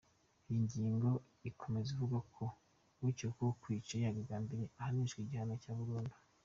Iyi ngingo ikomeza ivuga ko ukekwaho kwica yabigambiriye, ahanishwa igihano cya burundu.